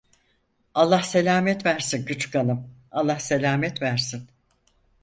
Allah selamet versin küçükhanım, Allah selamet versin!